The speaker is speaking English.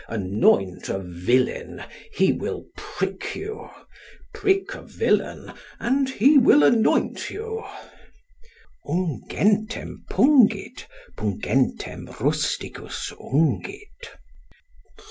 Anoint a villain, he will prick you: prick a villain, and he will anoint you (Ungentem pungit, pungentem rusticus ungit.).